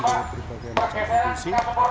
dari berbagai macam provinsi